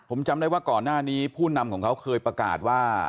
ผมจำได้ว่าก่อนหน้านี้ผู้นำของเขาเคยประกาศว่า